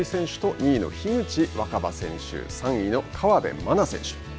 ２位の樋口新葉選手３位の河辺愛菜選手。